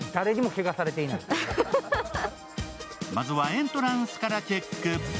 まずはエントランスからチェック。